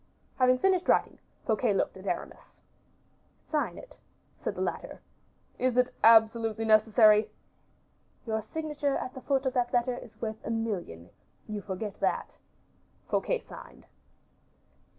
Having finished writing, Fouquet looked at Aramis. "Sign it," said the latter. "Is it absolutely necessary?" "Your signature at the foot of that letter is worth a million; you forget that." Fouquet signed.